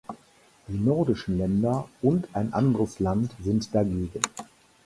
Die nordischen Länder und ein anderes Land sind dagegen.